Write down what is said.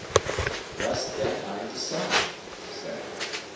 "Thus, then, I decide," said I.